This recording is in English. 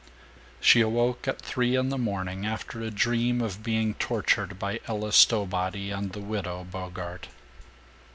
She awoke at three in the morning, after a dream of being tortured by Ella Stowbody and the Widow Bogart.